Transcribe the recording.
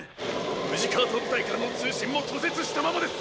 ムジカート部隊からの通信も途絶したままです！